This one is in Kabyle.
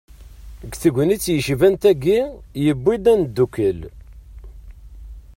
Deg tegnit yecban-tagi, iwwi-d ad neddukel.